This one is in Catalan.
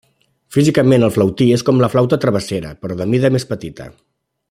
Físicament, el flautí és com la flauta travessera però de mida més petita.